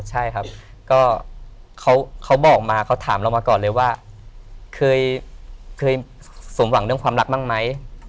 ใช่ครับก็เขาบอกมาเขาถามเรามาก่อนเลยว่าเคยสมหวังเรื่องความรักบ้างไหม